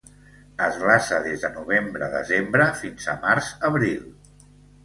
Es glaça des de novembre-desembre fins a març-abril.